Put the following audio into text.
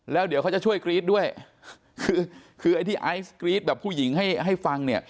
แล้วเดี๋ยวเขาจะช่วยกรี๊ดด้วยคือคือไอ้ที่ไอซ์กรี๊ดแบบผู้หญิงให้ให้ฟังเนี่ย